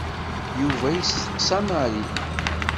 Yuba yesteqsa Mary.